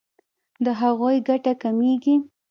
د هغوی ګټه کمیږي.